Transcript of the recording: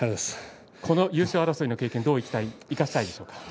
この優勝争いの経験をどう生かしてないですか。